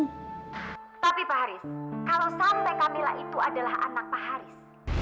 tapi pak haris kalau sampai camilla itu adalah anak pak haris